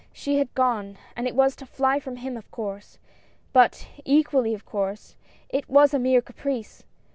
She had gone, and it was to fly from him of course, but, equally of course, it was a mere caprice.